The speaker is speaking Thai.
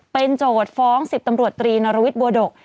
เป็นโจทย์ฟ้อง๑๐ตำรวจตรีนรวิทย์บัวดก